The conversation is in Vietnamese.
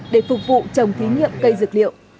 để phục vụ trồng thí nghiệm cây dược liệu